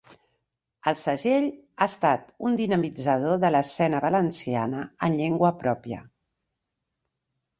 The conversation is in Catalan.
El segell ha estat un dinamitzador de l'escena valenciana en llengua pròpia.